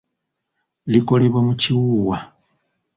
Likolebwa mu kiwuuwa.